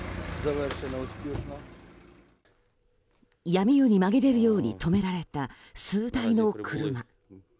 闇夜に紛れるように止められた数台の車。